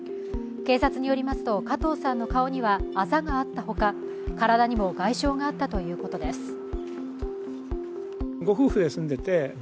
警察によりますと、加藤さんの顔にはあざがあった他、体にも外傷があったということです。